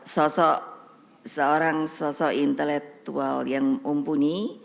sosok seorang sosok intelektual yang mumpuni